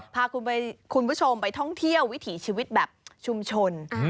พาคุณผู้ชมไปท่องเที่ยววิถีชีวิตแบบชุมชน